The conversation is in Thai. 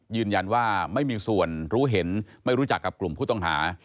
ยืนยันว่าไม่มีส่วนรู้เห็นไม่รู้จักกับกลุ่มผู้ต้องหา